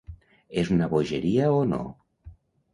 És una bogeria o no?